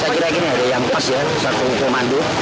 saya kira gini ada yang pas ya satu komando